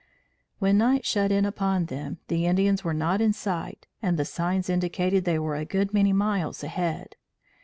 When night shut in upon them, the Indians were not in sight and the signs indicated they were a good many miles ahead.